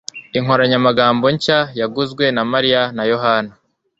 Inkoranyamagambo nshya yaguzwe na Mariya na Yohana